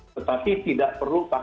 tetapi tidak perlu pakai